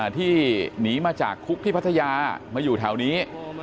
ที่หนีมาจากคุกที่พัทยามาอยู่แถวนี้